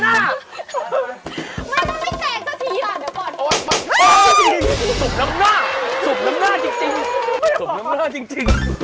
สุบน้ำหน้าสุบน้ำหน้าจริง